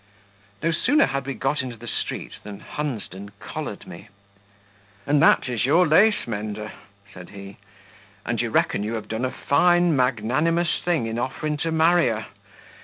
No sooner had we got into the street than Hunsden collared me. "And that is your lace mender?" said he; "and you reckon you have done a fine, magnanimous thing in offering to marry her?